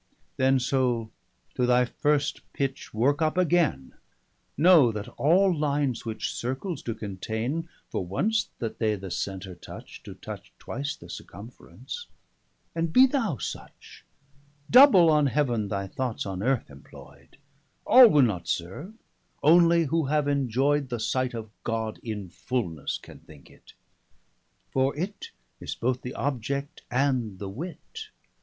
Then, Soule, to thy first pitch worke up againe; 435 Know that all lines which circles doe containe, For once that they the Center touch, doe touch Twice the circumference; and be thou such; Double on heaven thy thoughts on earth emploid; All will not serve; Only who have enjoy'd 440 The sight of God, in fulnesse, can thinke it; For it is both the object, and the wit.